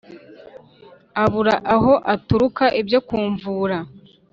abura aho aturuka ibyo kumvura